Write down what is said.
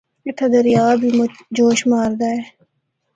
اِتھا دریا بھی مُچ جوش ماردا اے۔